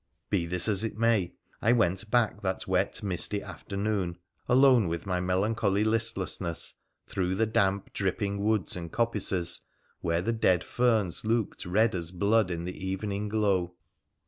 Be this as it may, I went back that wet, misty afternoon, alone with my melancholy listlessness through the damp dripping woods and coppices, where the dead ferns looked red as blood in the evening glow.